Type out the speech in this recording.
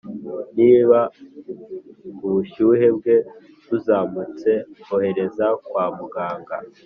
niba ubushyuhe bwe buzamutse, ohereza kwa muganga